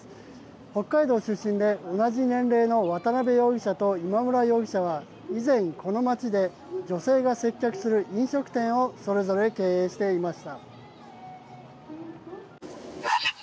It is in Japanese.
北海道出身で同じ年齢の渡邉容疑者と今村容疑者は以前、この街で女性が接客する飲食店をそれぞれ経営していました。